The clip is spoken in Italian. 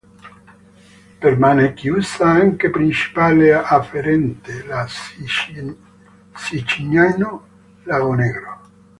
Permane chiusa anche principale afferente, la Sicignano-Lagonegro.